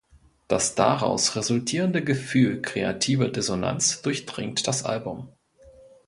Das daraus resultierende Gefühl kreativer Dissonanz durchdringt das Album.